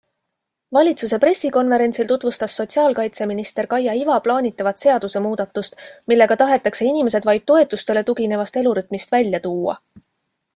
Valitsuse pressikonverentsil tutvustas sotsiaalkaitseminister Kaia Iva plaanitavat seaduse muudatust, millega tahetakse inimesed vaid toetustele tuginevast elurütmist välja tuua.